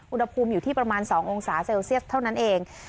อุณหภูมิอยู่ที่ประมาณ๒องศาเซลเซียสเท่านั้นเอง